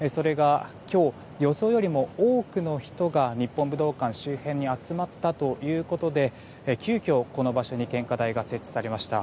それが、今日予想よりも多くの人が日本武道館周辺に集まったということで急きょ、この場所に献花台が設置されました。